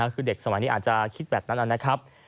คือเด็กสมัยนี้อาจจะคิดแบบนั้นนะครับ